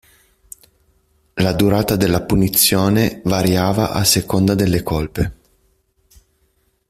La durata della punizione variava a seconda delle colpe.